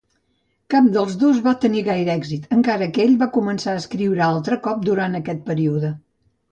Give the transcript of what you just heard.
Cap dels dos va tenir gaire èxit, encara que ell va començar a escriure altre cop durant aquest període.